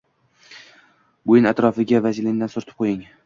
Bo’yin atrofiga vazelindan surtib qoying.